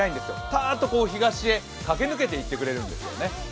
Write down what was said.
ぱーっと東へ駆け抜けていってくれるんですよね。